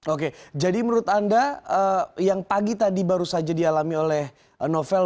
oke jadi menurut anda yang pagi tadi baru saja dialami oleh novel